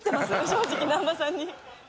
正直難波さんに。